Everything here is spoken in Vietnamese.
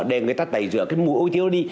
để người ta tẩy rửa mùi ôi tiêu đi